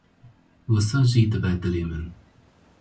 Wisa jî dibe dilê min.